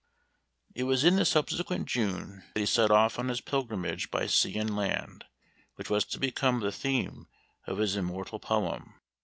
It was in the subsequent June that he set off on his pilgrimage by sea and land, which was to become the theme of his immortal poem.